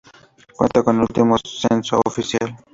Cuenta con del último censo oficial.